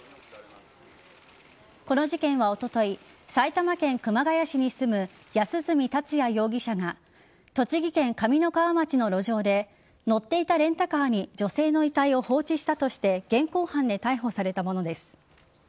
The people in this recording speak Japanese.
この事件はおととい埼玉県熊谷市に住む安栖達也容疑者が栃木県上三川町の路上で乗っていたレンタカーに女性の遺体を放置したとして現行犯で逮捕されたものです。